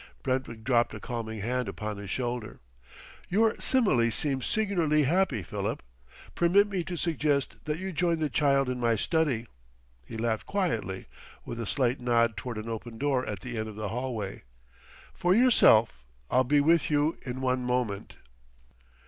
Brentwick dropped a calming hand upon his shoulder. "Your simile seems singularly happy, Philip. Permit me to suggest that you join the child in my study." He laughed quietly, with a slight nod toward an open door at the end of the hallway. "For myself, I'll be with you in one moment."